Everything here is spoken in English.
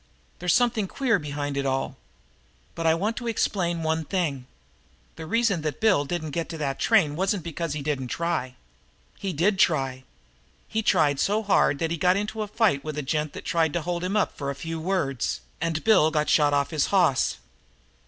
There's something queer behind it all. But I want to explain one thing. The reason that Bill didn't get to that train wasn't because he didn't try. He did try. He tried so hard that he got into a fight with a gent that tried to hold him up for a few words, and Bill got shot off his hoss."